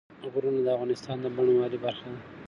غرونه د افغانستان د بڼوالۍ برخه ده.